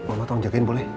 mama tolong jagain boleh